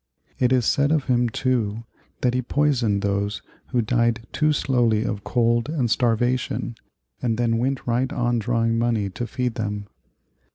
It is said of him, too, that he poisoned those who died too slowly of cold and starvation, and then went right on drawing money to feed them.